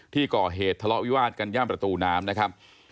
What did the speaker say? ที่ก่อเหตุทะเลาะวิวาดกันย่ามประตูน้ำนะครับ